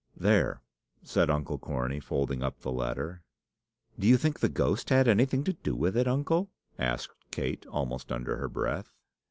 "There!" said Uncle Cornie, folding up the letter. "Do you think the ghost had anything to do with it, uncle?" asked Kate, almost under her breath.